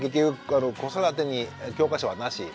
子育てに教科書はなし。